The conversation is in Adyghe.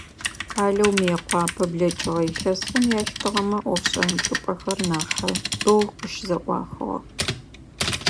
Къалэу Мыекъуапэ блэкӀыгъэ илъэсхэм ялъытыгъэмэ, ӀофшӀэн чӀыпӀэхэр нахьы бэу къыщызэӀуахыгъэх.